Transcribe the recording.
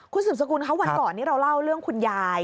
คุณสืบสกุลเขาวันก่อนนี้เราเล่าเรื่องคุณยาย